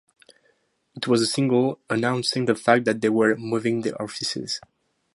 It was a single announcing the fact that they were moving their offices.